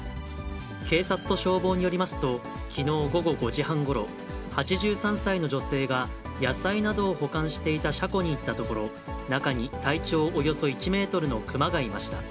警察と消防によりますと、きのう午後５時半ごろ、８３歳の女性が野菜などを保管していた車庫に行ったところ、中に体長およそ１メートルの熊がいました。